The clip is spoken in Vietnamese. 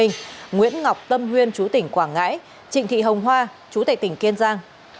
nguyễn ngọc tâm huyên chú tỉnh quảng ngãi trịnh thị hồng hoa chú tệ tỉnh kiên giang